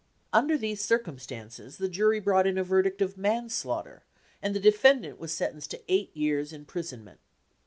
Under these circumstances the jury brought in a verdict of manslaughter, and the defendant was sentenced to eight years' im prisonment.